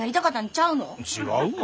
違うわ。